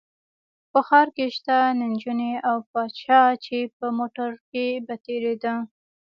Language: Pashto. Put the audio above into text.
په ښار کې شته نجونې او پادشاه چې په موټر کې به تېرېده.